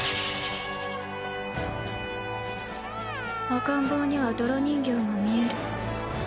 赤ん坊には泥人形が見える。